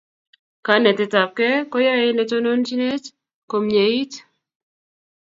Kanetet tab gei koyaiyey netoninjinet komyeit